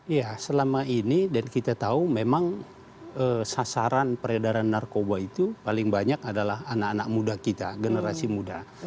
iya selama ini dan kita tahu memang sasaran peredaran narkoba itu paling banyak adalah anak anak muda kita generasi muda